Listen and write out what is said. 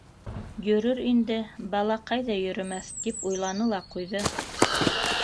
Йөрөр инде, бала ҡайҙа йөрөмәҫ тип уйланы ла ҡуйҙы.